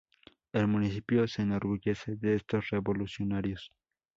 El municipio se enorgullece de estos revolucionarios.